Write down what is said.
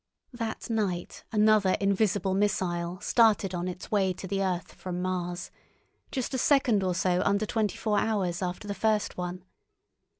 That night another invisible missile started on its way to the earth from Mars, just a second or so under twenty four hours after the first one.